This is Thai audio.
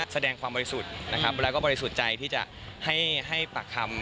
แสดงความบริสุทธิ์และบริสุทธิ์ใจที่จะให้ปากคำ